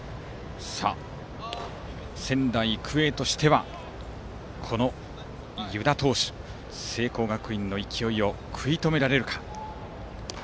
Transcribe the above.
仙台育英としては、この湯田投手聖光学院の勢いを食い止められるか。